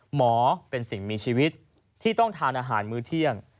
หมอเป็นสิ่งมีชีวิตที่ต้องทานอาหารมื้อเที่ยง